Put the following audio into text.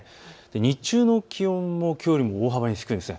日中の気温もきょうより大幅に低いんです。